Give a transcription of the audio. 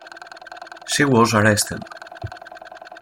She was arrested.